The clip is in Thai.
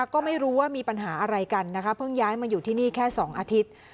ก็ไม่รู้ว่ามีปัญหาอะไรกันนะคะเพิ่งย้ายมาอยู่ที่นี่แค่๒อาทิตย์